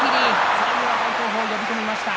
最後は大翔鵬呼び込みました。